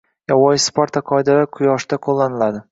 Yovvoyi Sparta qoidalari quyoshda qo'llaniladi